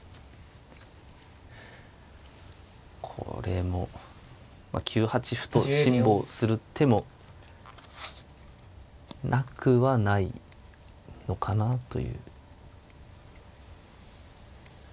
これも９八歩と辛抱する手もなくはないのかなという感じですかね。